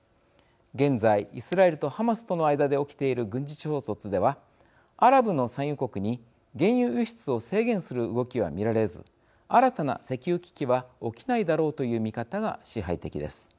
現在イスラエルとハマスとの間で起きている軍事衝突ではアラブの産油国に原油輸出を制限する動きは見られず新たな石油危機は起きないだろうという見方が支配的です。